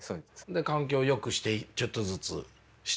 で環境をよくしてちょっとずつしていきたいと。